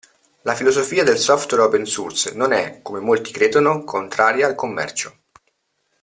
La filosofia del software open source non è, come molti credono, contraria al commercio.